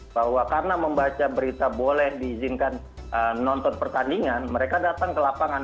bahwa karena membaca berita boleh diizinkan nonton pertandingan mereka datang ke lapangan